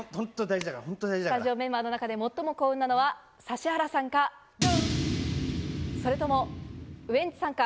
スタジオメンバーの中で最も幸運なのは指原さんか、それとも、ウエンツさんか？